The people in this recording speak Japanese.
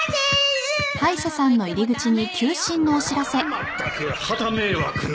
まったくはた迷惑な